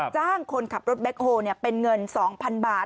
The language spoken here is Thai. จ้างคนขับรถแบ็คโฮลเป็นเงิน๒๐๐๐บาท